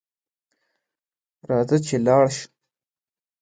راځه چې لاړشوو